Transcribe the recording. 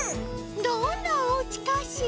どんなおうちかしら？